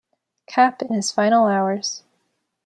Cap in his final hours.